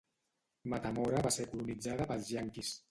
Metamora va ser colonitzada pels Ianquis.